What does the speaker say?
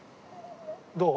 どう？